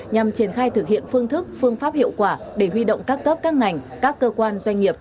nhằm triển khai thực hiện phương thức phương pháp hiệu quả để huy động các cấp các ngành các cơ quan doanh nghiệp